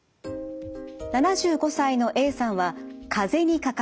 ７５歳のＡさんはかぜにかかりました。